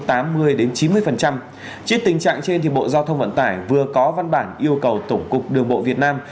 trước tình trạng trên bộ giao thông vận tải vừa có văn bản yêu cầu tổng cục đường bộ việt nam